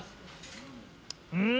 うん！